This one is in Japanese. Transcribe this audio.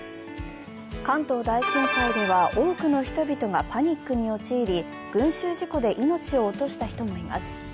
関東大震災では多くの人々がパニックに陥り、群集事故で命を落とした人もいます。